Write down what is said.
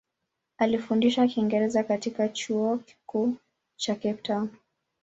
Alifundisha Kiingereza katika Chuo Kikuu cha Cape Town.